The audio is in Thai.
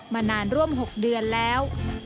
มานานร่วม๖เดือนแล้ว